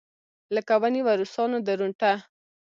لکه ونېوه روسانو درونټه.